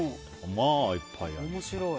まあいっぱいある。